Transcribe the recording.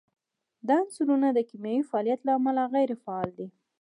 دا عنصرونه د کیمیاوي فعالیت له امله غیر فعال دي.